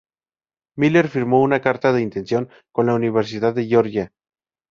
Miller firmó una carta de intención con la Universidad de Georgia.